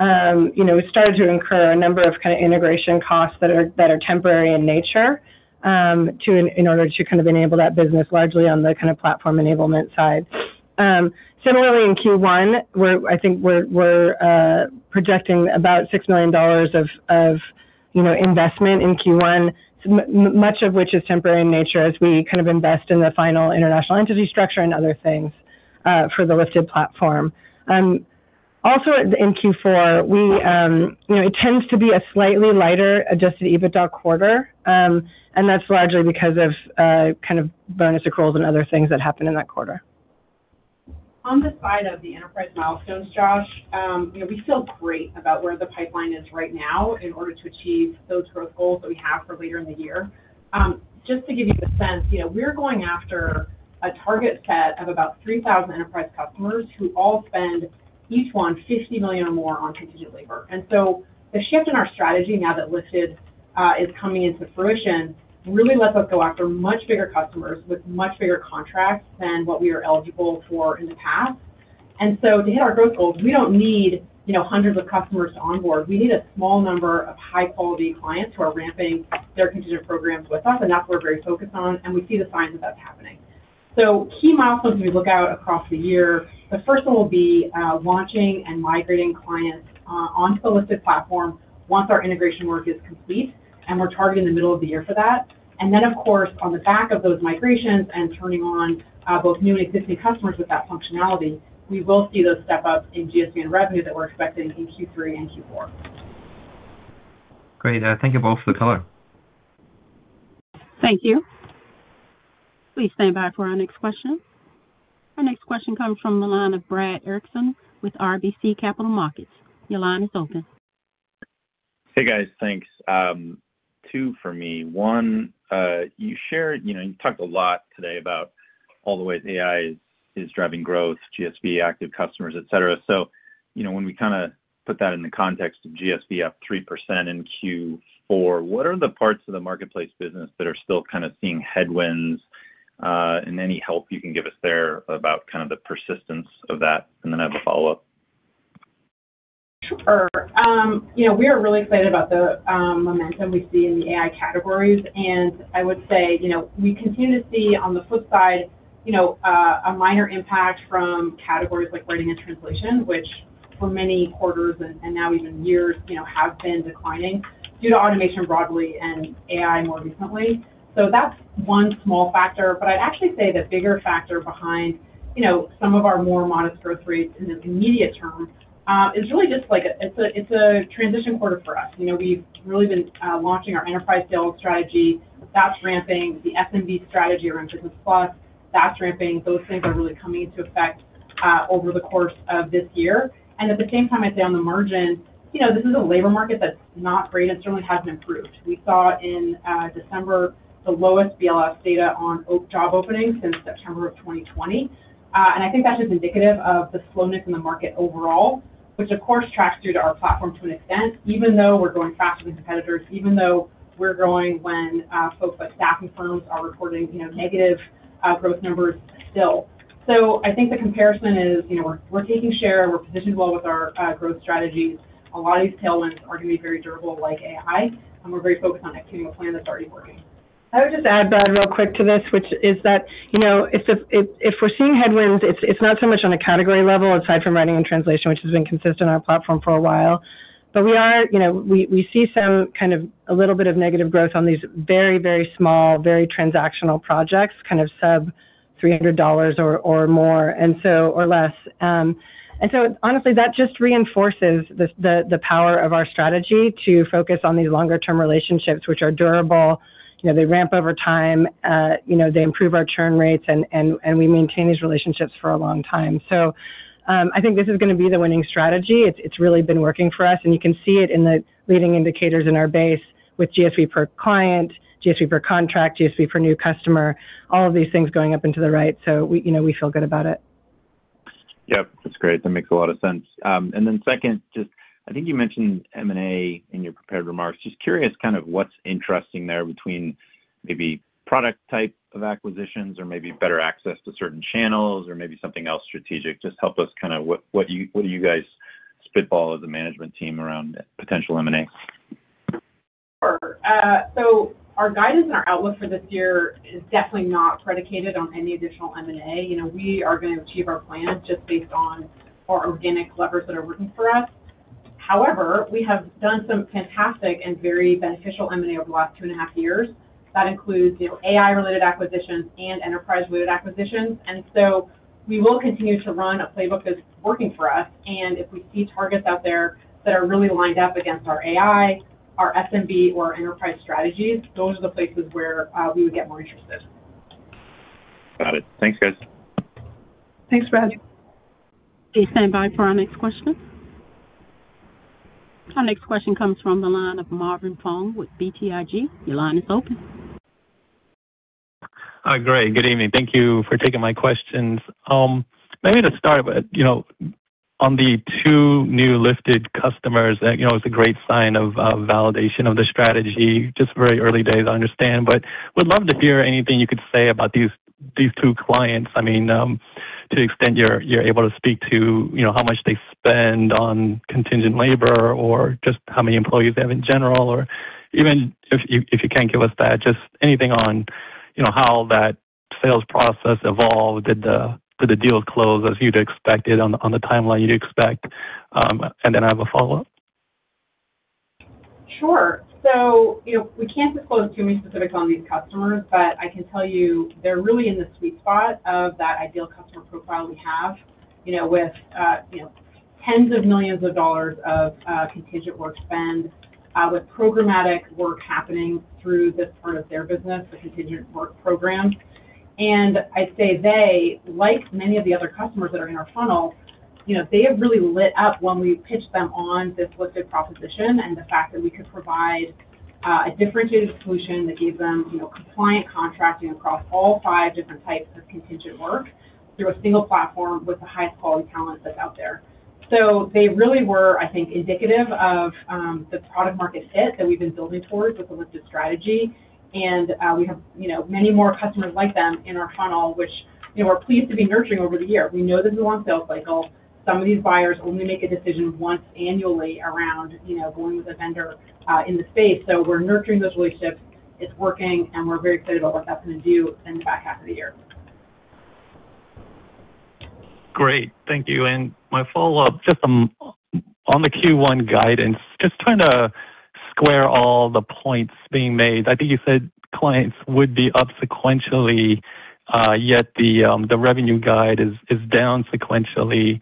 we started to incur a number of kind of integration costs that are temporary in nature in order to kind of enable that business largely on the kind of platform enablement side. Similarly, in Q1, I think we're projecting about $6 million of investment in Q1, much of which is temporary in nature as we kind of invest in the final international entity structure and other things for the Lifted platform. Also, in Q4, it tends to be a slightly lighter adjusted EBITDA quarter. That's largely because of kind of bonus accruals and other things that happen in that quarter. On the side of the enterprise milestones, Josh, we feel great about where the pipeline is right now in order to achieve those growth goals that we have for later in the year. Just to give you a sense, we're going after a target set of about 3,000 enterprise customers who all spend each $50 million or more on continued labor. And so the shift in our strategy now that Lifted is coming into fruition really lets us go after much bigger customers with much bigger contracts than what we were eligible for in the past. And so to hit our growth goals, we don't need hundreds of customers to onboard. We need a small number of high-quality clients who are ramping their continued programs with us. And that's what we're very focused on. And we see the signs that that's happening. So key milestones that we look out across the year, the first one will be launching and migrating clients onto the Lifted platform once our integration work is complete. And we're targeting the middle of the year for that. And then, of course, on the back of those migrations and turning on both new and existing customers with that functionality, we will see those step up in GSV and revenue that we're expecting in Q3 and Q4. Great. Thank you both for the call. Thank you. Please stand by for our next question. Our next question comes from the line of Brad Erickson with RBC Capital Markets. Your line is open. Hey, guys. Thanks. Two for me. One, you shared you talked a lot today about all the ways AI is driving growth, GSV active customers, etc. So when we kind of put that in the context of GSV up 3% in Q4, what are the parts of the marketplace business that are still kind of seeing headwinds? And any help you can give us there about kind of the persistence of that? And then I have a follow-up. Sure. We are really excited about the momentum we see in the AI categories. I would say we continue to see on the flip side a minor impact from categories like writing and translation, which for many quarters and now even years have been declining due to automation broadly and AI more recently. So that's one small factor. But I'd actually say the bigger factor behind some of our more modest growth rates in the immediate term is really just like it's a transition quarter for us. We've really been launching our enterprise sales strategy. That's ramping. The SMB strategy around Business Plus, that's ramping. Those things are really coming into effect over the course of this year. And at the same time, I'd say on the margin, this is a labor market that's not great. It certainly hasn't improved. We saw in December the lowest BLS data on job openings since September of 2020. I think that's just indicative of the slowness in the market overall, which, of course, tracks through to our platform to an extent, even though we're growing faster than competitors, even though we're growing when folks like staffing firms are reporting negative growth numbers still. I think the comparison is we're taking share. We're positioned well with our growth strategies. A lot of these tailwinds are going to be very durable, like AI. We're very focused on executing a plan that's already working. I would just add, Brad, real quick to this, which is that if we're seeing headwinds, it's not so much on a category level aside from writing and translation, which has been consistent on our platform for a while. But we see some kind of a little bit of negative growth on these very, very small, very transactional projects, kind of sub-$300 or more or less. And so honestly, that just reinforces the power of our strategy to focus on these longer-term relationships, which are durable. They ramp over time. They improve our churn rates. And we maintain these relationships for a long time. So I think this is going to be the winning strategy. It's really been working for us. You can see it in the leading indicators in our base with GSV per client, GSV per contract, GSV per new customer, all of these things going up into the right. We feel good about it. Yep. That's great. That makes a lot of sense. And then second, just I think you mentioned M&A in your prepared remarks. Just curious kind of what's interesting there between maybe product type of acquisitions or maybe better access to certain channels or maybe something else strategic. Just help us kind of what do you guys spitball as a management team around potential M&A? Sure. So our guidance and our outlook for this year is definitely not predicated on any additional M&A. We are going to achieve our plans just based on our organic levers that are working for us. However, we have done some fantastic and very beneficial M&A over the last two and a half years. That includes AI-related acquisitions and enterprise-related acquisitions. And so we will continue to run a playbook that's working for us. And if we see targets out there that are really lined up against our AI, our SMB, or our enterprise strategies, those are the places where we would get more interested. Got it. Thanks, guys. Thanks, Brad. Okay. Stand by for our next question. Our next question comes from the line of Marvin Fong with BTIG. Your line is open. Hi. Good evening. Thank you for taking my questions. Maybe to start with, on the two new Lifted customers, it's a great sign of validation of the strategy. Just very early days, I understand. But would love to hear anything you could say about these two clients. I mean, to the extent you're able to speak to how much they spend on contingent labor or just how many employees they have in general or even if you can't give us that, just anything on how that sales process evolved. Did the deals close as you'd expected on the timeline you'd expect? And then I have a follow-up. Sure. So we can't disclose too many specifics on these customers. But I can tell you they're really in the sweet spot of that ideal customer profile we have with $10s of millions of contingent work spend with programmatic work happening through this part of their business, the contingent work program. And I'd say they, like many of the other customers that are in our funnel, they have really lit up when we pitched them on this Lifted proposition and the fact that we could provide a differentiated solution that gave them compliant contracting across all five different types of contingent work through a single platform with the highest quality talent that's out there. So they really were, I think, indicative of the product-market fit that we've been building towards with the Lifted strategy. And we have many more customers like them in our funnel, which we're pleased to be nurturing over the year. We know this is a long sales cycle. Some of these buyers only make a decision once annually around going with a vendor in the space. So we're nurturing those relationships. It's working. And we're very excited about what that's going to do in the back half of the year. Great. Thank you. And my follow-up, just on the Q1 guidance, just trying to square all the points being made. I think you said clients would be up sequentially, yet the revenue guide is down sequentially.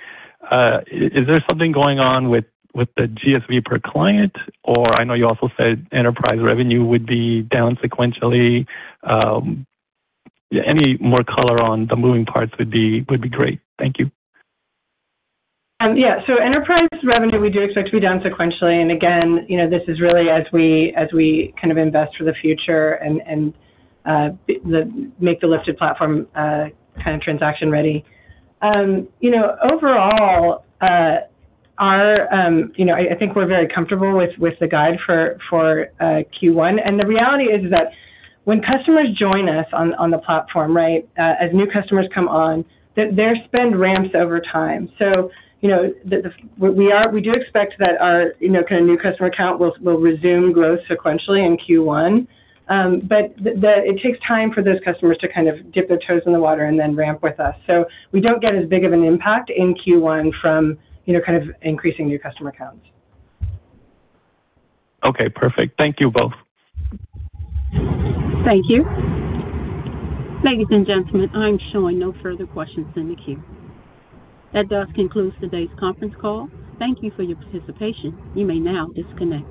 Is there something going on with the GSV per client? Or I know you also said enterprise revenue would be down sequentially. Any more color on the moving parts would be great. Thank you. Yeah. So enterprise revenue, we do expect to be down sequentially. And again, this is really as we kind of invest for the future and make the Lifted platform kind of transaction ready. Overall, I think we're very comfortable with the guide for Q1. And the reality is that when customers join us on the platform, right, as new customers come on, their spend ramps over time. So we do expect that our kind of new customer account will resume growth sequentially in Q1. But it takes time for those customers to kind of dip their toes in the water and then ramp with us. So we don't get as big of an impact in Q1 from kind of increasing new customer accounts. Okay. Perfect. Thank you both. Thank you. Ladies and gentlemen, I'm showing no further questions in the queue. That does conclude today's conference call. Thank you for your participation. You may now disconnect.